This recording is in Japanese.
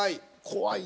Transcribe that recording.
怖い。